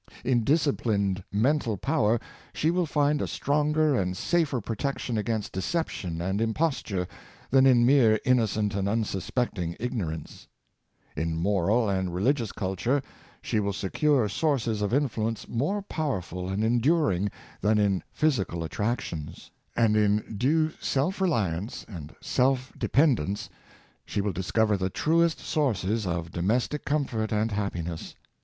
In disciplined mental power she will find a stronger and safer protec tion against deception and imposture than in mere inno Nations and Mothers, 115 cent and unsuspecting ignorance ; in moral and religious culture she will secure sources of influence more pow erful and enduring than in physical attractions; and in due self reliance and self dependence she will discover the truest sources of domestic comfort and happiness.